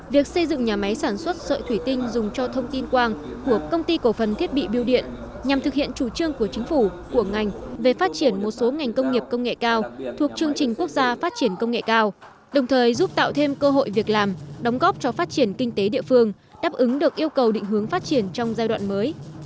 việc xây dựng nhà máy sản xuất sợi thủy tinh dùng cho thông tin quang của công ty cổ phần thiết bị bưu điện nhằm thực hiện chủ trương của chính phủ của ngành về phát triển một số ngành công nghiệp công nghệ cao thuộc chương trình quốc gia phát triển công nghệ cao đồng thời giúp tạo thêm cơ hội việc làm đóng góp cho phát triển kinh tế địa phương đáp ứng được yêu cầu định hướng phát triển trong giai đoạn mới